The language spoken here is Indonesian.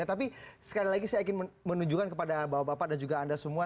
tapi sekali lagi saya ingin menunjukkan kepada bapak bapak dan juga anda semua